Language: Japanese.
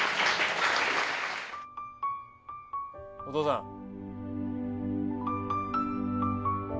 お父さん。